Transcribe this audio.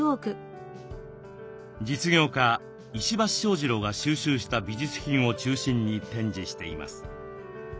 実業家石橋正二郎が収集した美術品を中心に展示しています。